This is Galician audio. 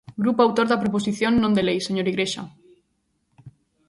Grupo autor da proposición non de lei, señor Igrexa.